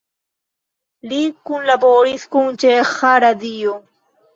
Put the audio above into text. Li kunlaboris kun Ĉeĥa Radio.